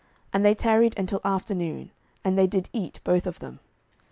And they tarried until afternoon, and they did eat both of them.